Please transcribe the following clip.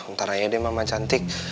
ntar aja mama cantik